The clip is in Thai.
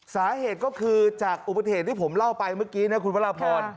สาเหตุก็คือจากอุบัติเหตุที่ผมเล่าไปเมื่อกี้นะคุณพระราพร